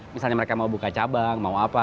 misalnya mereka mau buka cabang mau apa